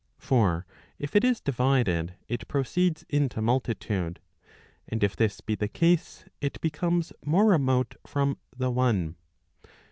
For if it is divided it proceeds into multitude. And if this be the case, it becomes more remote firom the one.